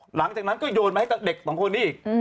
หลังจากนั้นก็โยนมาให้เด็กสองคนนี้อีก